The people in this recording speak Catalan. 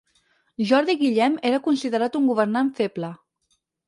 Jordi Guillem era considerat un governant feble.